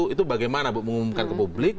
itu bagaimana bu mengumumkan ke publik